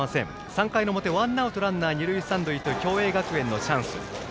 ３回の表、ワンアウトランナー二塁三塁で共栄学園のチャンス。